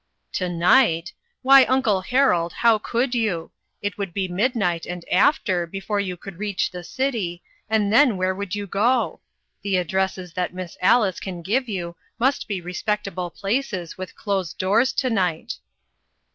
"To night! Why, Uncle Harold, how could you? It would be midnight and after before you could reach the city, and then where would you go ? The addresses that Miss Alice can give you must be respecta ble places, with closed doors to night."